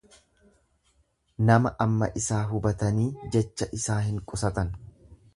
Nama amma isaa hubatanii jecha isaa hin qusatan.